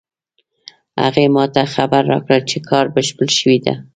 هغې ما ته خبر راکړ چې کار بشپړ شوی ده